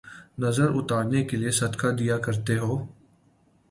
نظر اتارنے کیلئے صدقہ دیا کرتی ہوں